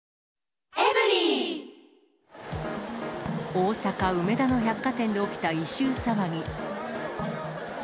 大阪・梅田の百貨店で起きた異臭騒ぎ。